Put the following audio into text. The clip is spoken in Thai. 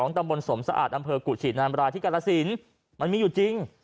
ตำบลสมสะอาดอำเภอกุฉีนอำราธิการสินมันมีอยู่จริง